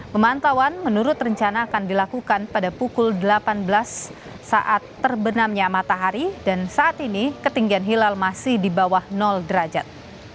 pemantauan menurut rencana akan dilakukan pada pukul delapan belas saat terbenamnya matahari dan saat ini ketinggian hilal masih di bawah derajat